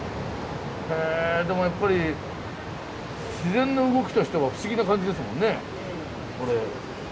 でもやっぱり自然の動きとしては不思議な感じですもんねこれ。